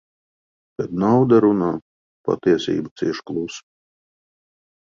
Kad nauda runā, patiesība cieš klusu.